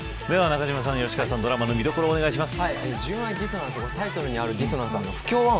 中島さん、吉川さんドラマの見どころお願いします。